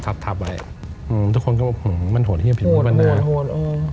ทุกคนก็บอกมันโหดเฮี่ยผิดประมาณนั้น